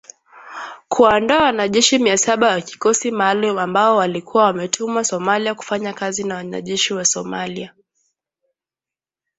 Kuwaondoa wanajeshi mia saba wa kikosi maalum ambao walikuwa wametumwa Somalia kufanya kazi na wanajeshi wa Somalia.